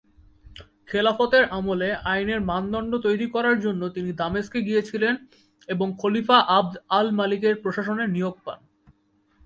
খেলাফতের আমলে আইনের মানদণ্ড তৈরী করার জন্য তিনি দামেস্কে গিয়েছিলেন এবং খলিফা আবদ আল-মালিকের প্রশাসনের নিয়োগ পান।